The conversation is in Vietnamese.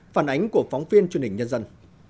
phản ánh của phóng viên truyền hình nhân dân